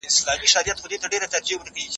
شاه جهان درې ځله پر کندهار برید وکړ.